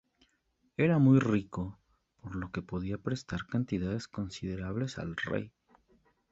Era muy rico, por lo que podía prestar cantidades considerables al rey.